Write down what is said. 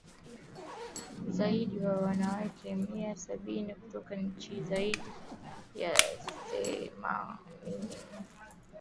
Zaidi wa wanaweka mia sabini kutoka nchi zaidi ya themanini wametambuliwa kutokana na kazi zao tangu mwaka elfu mbili na saba